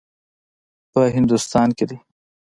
په هندوستان کې دی.